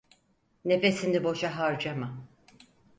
Nefesini boşa harcama.